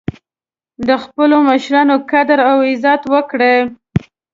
د خپلو مشرانو قدر او عزت وکړئ